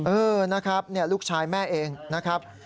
เออนะครับลูกชายแม่เองนะครับ